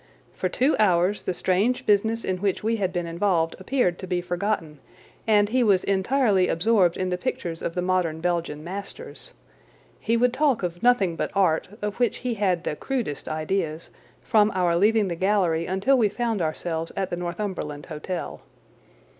For two hours the strange business in which we had been involved appeared to be forgotten, and he was entirely absorbed in the pictures of the modern Belgian masters. He would talk of nothing but art, of which he had the crudest ideas, from our leaving the gallery until we found ourselves at the Northumberland Hotel.